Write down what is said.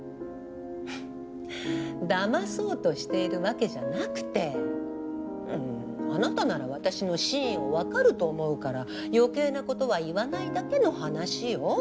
だまそうとしているわけじゃなくてあなたなら私の真意を分かると思うから余計なことは言わないだけの話よ。